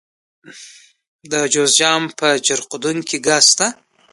د جوزجان په جرقدوق کې ګاز شته.